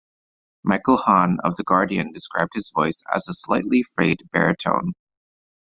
Michael Hann of "The Guardian" described his voice as a "slightly frayed baritone".